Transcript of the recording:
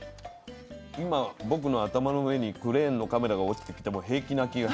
今僕の頭の上にクレーンのカメラが落ちてきても平気な気がします。